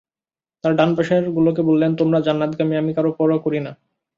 তারপর ডান পাশের গুলোকে বললেন, তোমরা জান্নাতগামী, আমি কারো পরোয়া করি না।